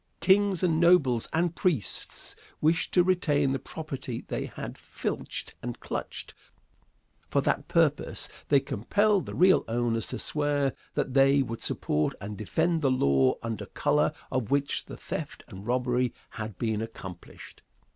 Kings and nobles and priests wished to retain the property they had filched and clutched, and for that purpose they compelled the real owners to swear that they would support and defend the law under color of which the theft and robbery had been accomplished.